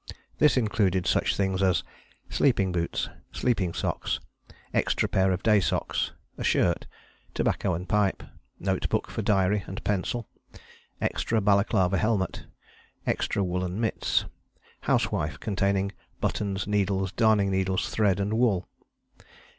This included such things as: Sleeping boots. Sleeping socks. Extra pair of day socks. A shirt. Tobacco and pipe. Notebook for diary and pencil. Extra balaclava helmet. Extra woollen mitts. Housewife containing buttons, needles, darning needles, thread and wool.